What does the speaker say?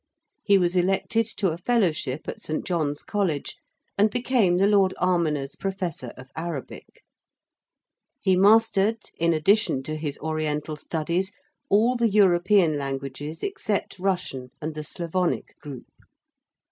He was elected to a Fellowship at St. John's College and became the Lord Almoner's Professor of Arabic. He mastered, in addition to his Oriental studies, all the European languages except Russian and the Slavonic group.